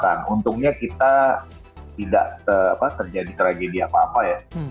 dan itu adalah hal yang sangat penting di dalam hal ini